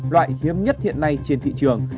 loại hiếm nhất hiện nay trên thị trường